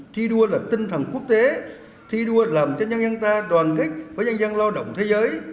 thi đua là tinh thần quốc tế thi đua làm cho nhân dân ta đoàn kết với nhân dân lo động thế giới